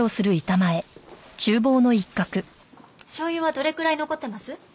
醤油はどれくらい残ってます？